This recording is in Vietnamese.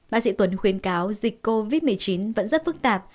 bác sĩ tuấn khuyến cáo dịch covid một mươi chín vẫn rất phức tạp